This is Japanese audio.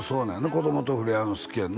子供と触れ合うの好きやんな？